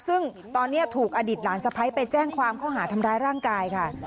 ซึ่งตอนนี้ถูกอดีตหลานสะพ้ายไปแจ้งความข้อหาทำร้ายร่างกายค่ะ